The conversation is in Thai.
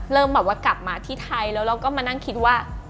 แบบว่ากลับมาที่ไทยแล้วเราก็มานั่งคิดว่า